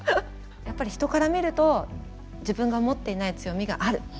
やっぱり人から見ると自分が持っていない強みがある。